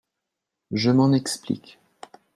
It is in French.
Je m’en explique.